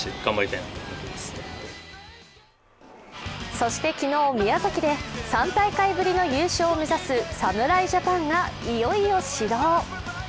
そして昨日、宮崎で３大会ぶりの優勝を目指す侍ジャパンがいよいよ始動。